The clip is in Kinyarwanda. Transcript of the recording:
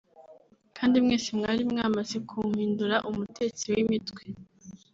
Kandi mwese mwari mwamaze kumpindura umutetsi w’imitwe”